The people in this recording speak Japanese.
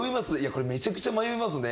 これめちゃくちゃ迷いますね。